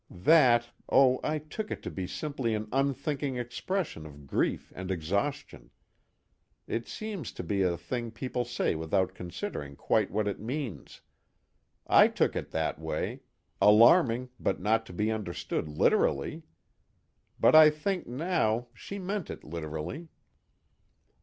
That oh, I took it to be simply an unthinking expression of grief and exhaustion. It seems to be a thing people say without considering quite what it means. I took it that way: alarming but not to be understood literally. But I think now, she meant it literally."